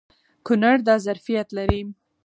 کونړ دا ظرفیت لري.